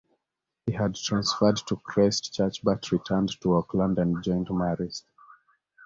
He had transferred to Christchurch but returned to Auckland and joined Marist.